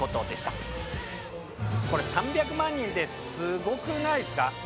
これ３００万人ってすごくないですか？